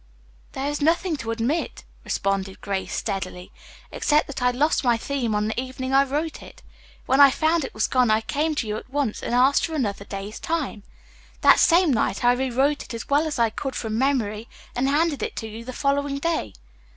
"There is nothing to admit," responded Grace steadily, "except that I lost my theme on the evening I wrote it. When I found it was gone I came to you at once and asked for another day's time. That same night I rewrote it as well as I could from memory and handed it to you the following day."